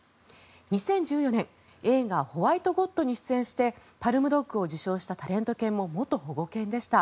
２０１４年映画「ホワイト・ゴッド」に出演してパルム・ドッグを受賞したタレント犬も元保護犬でした。